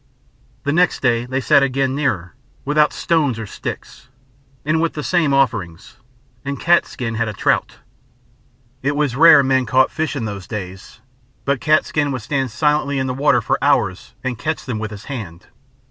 The next day they sat again nearer without stones or sticks, and with the same offerings, and Cat's skin had a trout. It was rare men caught fish in those days, but Cat's skin would stand silently in the water for hours and catch them with his hand.